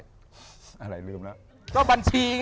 ก็บัญชีไงบัญชี